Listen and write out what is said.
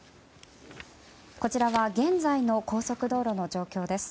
こちらは現在の高速道路の状況です。